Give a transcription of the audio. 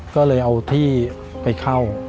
ก็เลยเอาที่ไปเข้า